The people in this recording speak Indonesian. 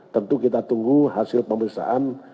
tentu kita tunggu hasil pemeriksaan